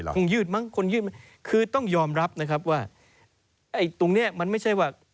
คงยืดมั้งคงยืดมั้งคือต้องยอมรับนะครับตรงนี้ไม่ใช่ว่า